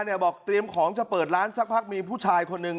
บอกเตรียมของจะเปิดร้านสักพักมีผู้ชายคนหนึ่ง